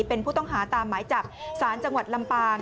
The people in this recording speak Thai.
เป็นผู้ต้องหาตามหมายจับสารจังหวัดลำปาง